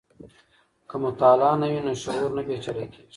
که مطالعه نه وي نو شعور نه پېچلی کیږي.